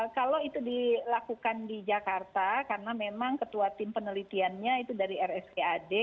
kalau itu dilakukan di jakarta karena memang ketua tim penelitiannya itu dari rskad